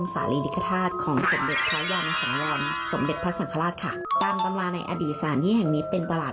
สร้างเป็นแมงที่มีสีเหมือนสระมรกฎ